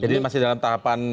jadi masih dalam tahapan